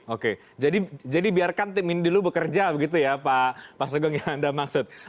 oke jadi biarkan tim ini dulu bekerja begitu ya pak sugeng yang anda maksud